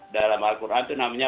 dalam al quran itu namanya